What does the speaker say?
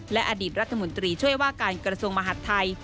และอดีตรัฐมนตรีช่วยว่าการกระทรวงมหัฐไทย